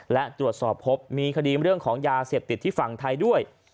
และตรวจสอบพบมีคดีเรื่องของยาเสพติดที่ฝั่งไทยด้วย